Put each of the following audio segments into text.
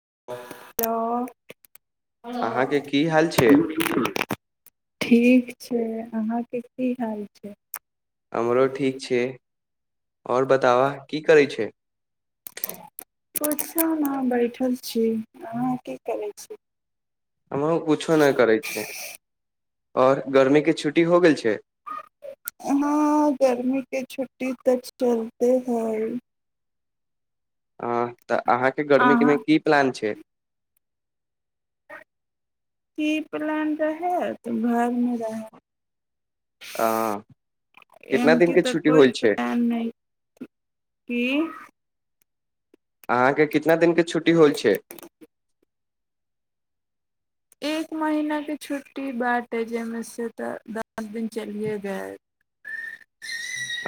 तऽ अहाँके की हाल छै ठीक छै अहाँके की हाल छै हमरो ठीक छिय आओर बताबह की करै छै आ पछ अहाँ बैठल छी अहाँ की करै छी हमहुँ कछो नहि करै छियै और गर्मी के छुट्टी हो गेल छै हाँ गर्मी के छुट्टी तक चलते है ह तऽ अहाँके अहाँ गर्मीेमे की प्लान छै की प्लान रहय तऽ घरमे रहै अं कितना दिन एमकी के तऽ छुट्टी कोई होल छै प्लान नहि कि अहाँके कितना दिनके छुट्टी होल छै एक महीनाके छुट्टी बार ै जाहिमे सँ तऽ दस दिन चलिए गेल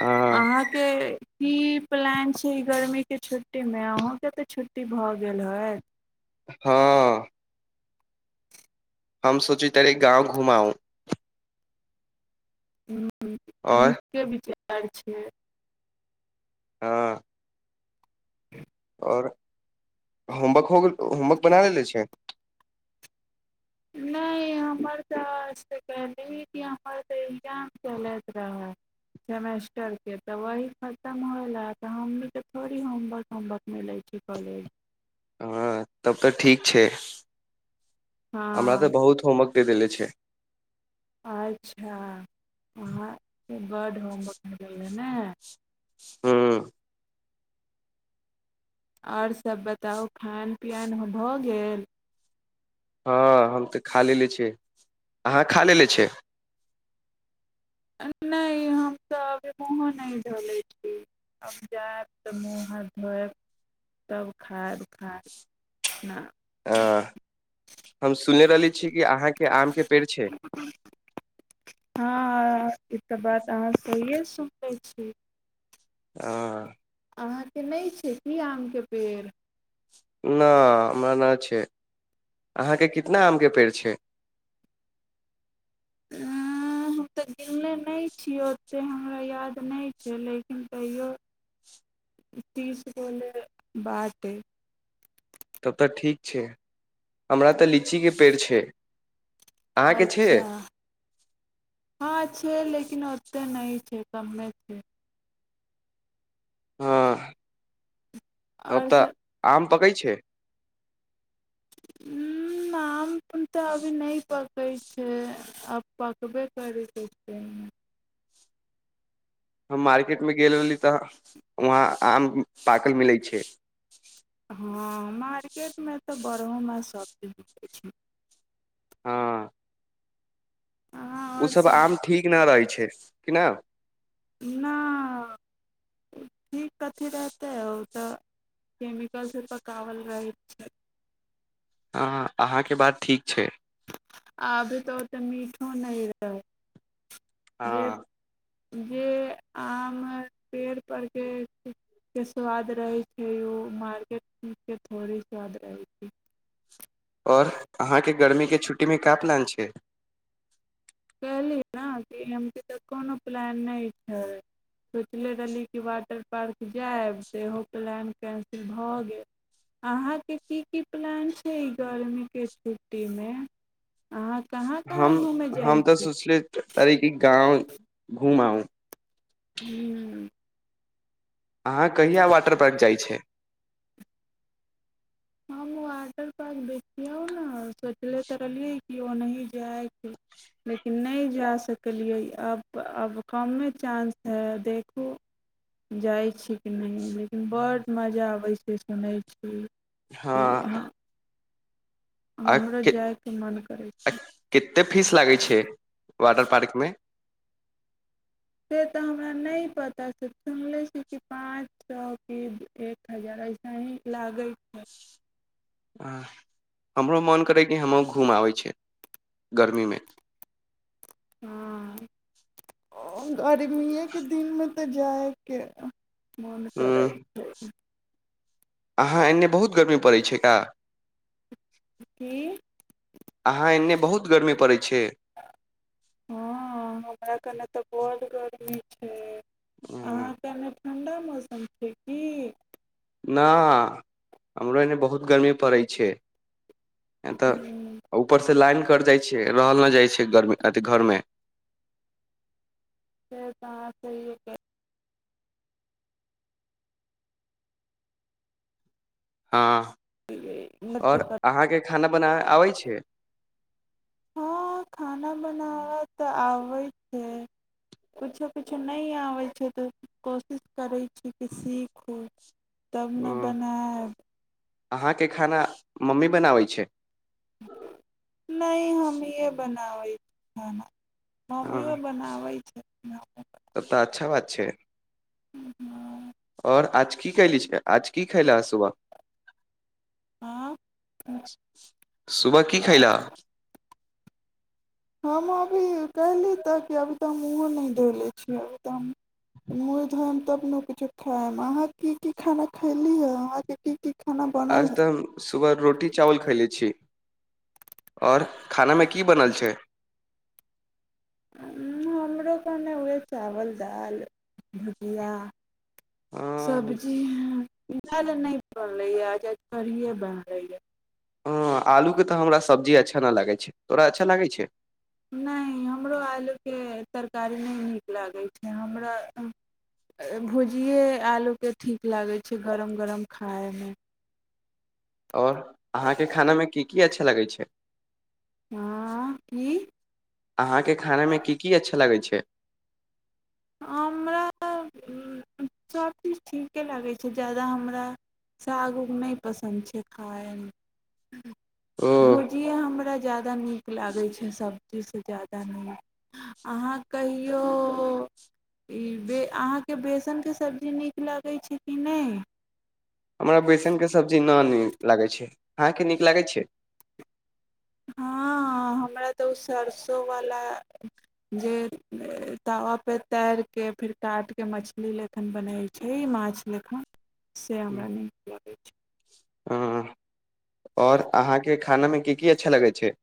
अं अहाँके की प्लान छै ई गर्मीके छुट्टीमे अहूँके तऽ छुट्टी भऽ गेल हय हँ हम सुोचितरे गाँव घुमाउं ह आओर नि बिचार कर छै हँ आओर होमवर्क हो गेल होमवर्क बना लेे छै नहि हमर तऽ आज तऽ कहलियी कि हमर तऽ एग्जाम चलैत रहए सेमेस्टरके तऽ वही खतम होयल तऽ हमहूँ तऽ थोड़े होमवर्क होमवर्क नहि लै छी कॉलेज हँ तब तऽ ठीक छै हमरा तऽ हँ बहुत होमवर्क देल छै अच्छा अहाँ बर्ड होम बढ़ गेलै ने हँ आओर सभ बताउ खान पियन भऽ गेल हँ हम तऽ खा लेलेे छिय अहाँ खा लेलेे छ नहि हम तऽ अभ वहो नहि धोलैत छी हम जायब तऽ मुूँह हाथ धोयब त खायब खब अप हम सुनने रहली छी कि अहाँके आमके पेड़ छै हँ ई त बात अहाँ सहिए सुन लै छी ह अहाँके नहि छै की आमके पेड़ [unintelligible] न हमरा नहि छै अहाँके कितना आमके पेड़ छै हम तऽ गिनने नहि छियै ओतेक हमरा याद नहि छै लेकिन तैओ तीस गोले बात अइ तब तऽ ठीक छै हमरा तऽ लि छै अच्छा हँ छै लेकिन ओते नहि गने छै हँ तब आओर तऽ से आम पकै छै उ नाम न त अभी नहि पक पकै छै आब पकबे करै क छै हम मार्केटमे गेल रहली तऽ वहाँ आम पाकल मिलै छै हँ मार्केटमे तऽ बरहोमे सभजीज बिलै छै हँ हँ आओर ओसभ सब आम ठीक नहि रहै छै केना नहि ठीक अथी रहतै ओ तऽ केमिकलसँ पकओल रहैत छै हँ अहाँके बात ठीक छै आब तो तऽ मीठो न रहै जे हँ जे आम पेड़पके के स्वाद रहै छै ओ मार्केटके थोड़े स्वाद रहै छै और अहाँके ग गर्मी कहली के छु्टी के कपनान छै पटी एम के तऽ कोनो प्लान नहि छै सोचले रहली कि वाटर पार्क जायब तऽ इहो प्लान कैन्सिल भऽ गेल अहाँके की की प्लान छै ई गरमीके छुट्टीमे अाँ कहाँ कहाँ घूमे जाय सुशलित तरके गाँव घुमाउ हू अहाँ कहिया वाटर पार्क जाइत छै हम वाटर पार्क देखियौ ने सोचले तऽ रहलियै कि ओनाही जायके लेकिन नहि जा सकलियै आब आब कमे चानं्स हइ देखू जाइत छी कि नहि लेकिन बड मजा अबैत छै सुनैत छी हँ आ हमरो जायके मन करै छै। कतेक फीस लागैत छै वाटर पार्कमे से तऽ हमरा नहि पता से सुनले छी कि पाँच सए कि एक हजार इसे ही लागै छै गर्मीमे हँ गर्मीएके दिनमे कतऽ जाइके मन क उम्म, अहाँ एन्ने बहुत गर्मी पड़ैत छै एका की अहाँ एन्ने बहुत गर्मी पड़ैत छै बड गर्मी छै ह अहाँ कने ठण्डा मौसम छै की नहि हमरो एने बहुत गर्मी पड़ैत छै य तऽ हूँ ऊपर से लाइन कट जाइ छै रहल नै जाइ छै गर मे अथी घर मे से तऽ अहाँ सहिये कहलियै हँ और कर अहाँके खाना बनाबे आबै छै हँ खाना बनाबे तऽ आबै से किछो किछो नहि आबै छै तऽ कोशिश करै छी कि सीखू तब न उम्म, बनायब अहाँके खाना मम्मी बनाबै छै नहि हमिये बनाबै छी खाना मम्मीयों ह बनाबै छै मम्म तब तऽ अच्छा छै हँ आओर आज की कैली छै आज की खैला ह सुबह [inaudible] हँ, सुबा कि खइला हम अभी कहली तऽ कि अभी तऽ हम मुँहो नहि धो इले छियै अभी तऽ हम मूँह धोयब तब ने किछो खायब अहाँ की की खाना खयली हे अहाँके की खाना बनल आज तऽ हम सुबह रोटी चावल खयले छी आओर खानामे की बनल छै उंह हमरो गरमे उएह चावल दाल भुजिया अ सब्जी स दाल नै बनल बनलै आज आइ करहिए बनलै य हँ आलूके तऽ हमरा सब्जी अच्छा नहि लागै छै तोरा अच्छा लागै छै नहि हमरो आलूके तरकारी नहि नीक लागै छै हमरा भुजिए आलूके ठीक लागै छै गरम गरम खायमे और अहाँके खाना मे की की अच्छा लगै छै हँ की अहाँ के खाना मे की की अच्छा लगै छै त [inaudible] हमरा उं सबचीज ठीक के लागै छै जादा हमरा साग उग नहि पसन्द छै खाय मे ओ भुझिये हमरा क नीक लागै छै सब जे ज्यादा नहि अहाँ कहियौ ई बे अहाँके बेसनके सब्जी नीक लगै छै कि नहि हमरा बेैसनके सब्जी न नीक लागैत छै अहाँके नीक लागै छै हँ हमरा तऽ ओ सरिसोवला जे तावापर तारि कऽ फेर काटि कऽ मछली लखन बनै छै ई माछ लखन से हमरा नीक लागै छै आओर अहाँके खानामे क की अच्छा लगै छै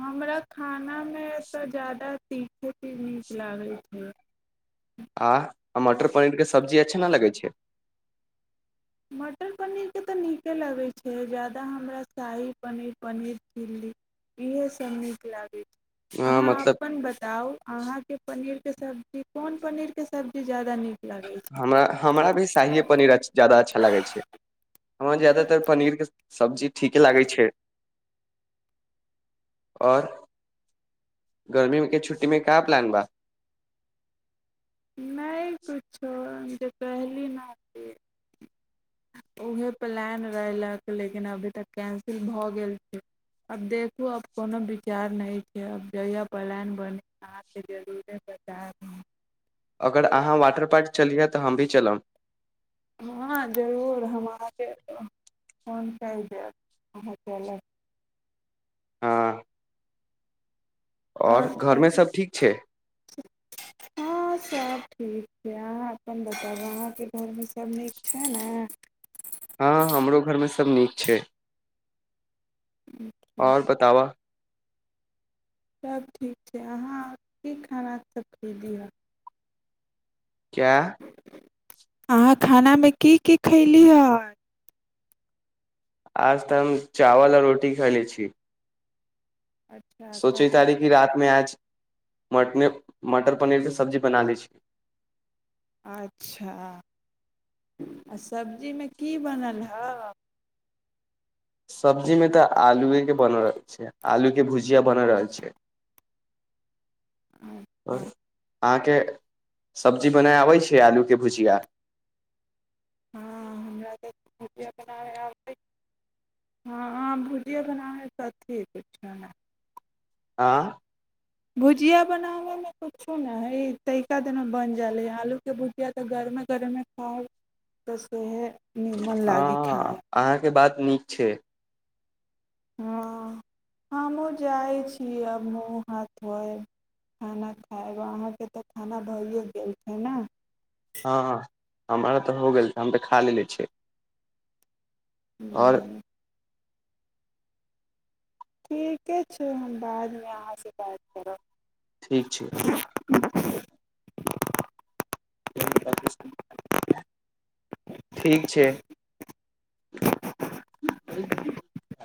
हमरा खान खना मे तऽ जादा सीखैके नीक लागै छै आ मटर पनीर के सब्जी अच्छा नहि लगै छै मटर पनीर के तऽ नीके लगे छै जादा हमरा शाही पनीर पनीर झिलली इहे सब नीक लागे छै अ अहाँ मतलब अपन बताउ अहाँके पनीर के सब्जी कोन पनीर के सब्जी जाद हमरा भी शाहे पनीर जादा अच्छा अच्छा लागै छै हमरा जादातर पनीर के सब्जी ठीके लागै छै और गर्मी के छुट्टी में का प्लान बा छै नहि कुछो जे कहली ने से उहे प्लान रहलक लेकिन अभी तक कैन्सिल भऽ गेल छै आब देखू आब कोनो विचार नहि छै आब जहिया प्लान बने अहाँके जरूरे बताब अगर अहाँ वाटर पार्क चलियै तऽ हम भी चलब हँ जरूर हम फोन कि देब अहाँके ल हँ आओर घरमे सभ ठीक छै हँ सभ ठीक छै अहाँ अपन बताबू अहाँके घरमे सभ नीक छै ने हँ हमरो घरमे सब नीक छै अच्छा, आओर बताबा सभ ठीक छै अहाँ की खाना सभ खरीदिहऽ क्या अहाँ खानामे की की खयली हँ आज तऽ हम चावल आ रोटी खयले छी अच्छा सोची कथी तारीखी रात में आज मटने मटर पनीरके सब्जी बना लै छी अच्छा आ सब्जीमे की बनल हए सब्जीमे तऽ आलुएके बन रहल छै आलूके भुजिया बन रहल छै अच्छा आओर अहाँके सब्जी बना आबै छै आलू के भुजिया हँ हमरा तऽ भुजिए बनाबै आबै हँ हँ भुजिए बनाबैसँ अथी किछो नहि आँ भुजिया बनाबै कुछो नहि हइ तरीका दना बनि जाै आलूके भुजिया तऽ गरमे गरमे खाउ तऽ सेहे हँ अहाँके बात नीक छै हँ हमहूँ जाइ छी आब हमूँ हाथ धोयब खाना खायब अहाँके तऽ खाना भरिए गेल छै ने हँ हमरा तऽ हो गेल छै हम तऽ खा लेलेने छियै आओर हूँ ठीके छै हम बादमे अहाँसँ बात करब ठीक छै [inaudible] ठीक छै [inaudible]